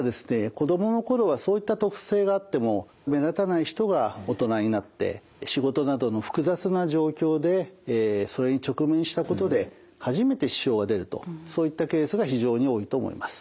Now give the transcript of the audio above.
子どものころはそういった特性があっても目立たない人が大人になって仕事などの複雑な状況でそれに直面したことで初めて支障が出るとそういったケースが非常に多いと思います。